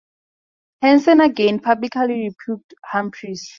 Hanson again publicly rebuked Humphries.